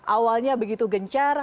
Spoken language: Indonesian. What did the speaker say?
awalnya begitu gencar